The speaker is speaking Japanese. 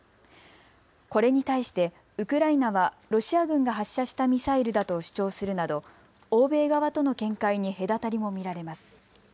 これに対してウクライナはロシア軍が発射したミサイルだと主張するなど欧米側との見解に隔たりも見られます。